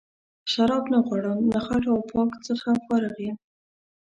شراب نه غواړم له خټو او پاک څخه فارغ یم.